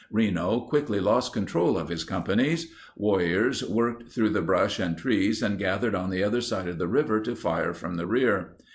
Reno quickly lost control of his companies. Warriors worked through the brush and trees and gathered on the other side of the river to fire from the rear.